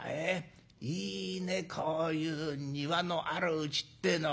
いいねこういう庭のあるうちってえのは。